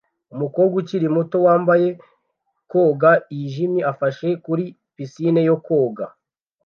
Umukobwa ukiri muto wambaye koga yijimye afashe kuri pisine yo koga